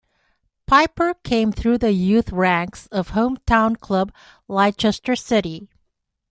Piper came through the youth ranks of hometown club Leicester City.